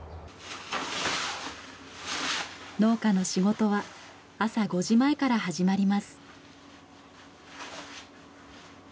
農家の仕事は朝５時前からはじまります。